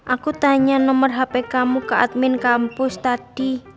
aku tanya nomor hp kamu ke admin kampus tadi